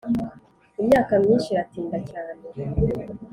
imyaka myinshi iratinda cyane